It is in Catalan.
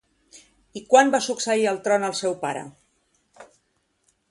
I quan va succeir el tron al seu pare?